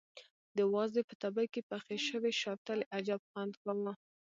د وازدې په تبي کې پخې شوې شوتلې عجب خوند کاوه.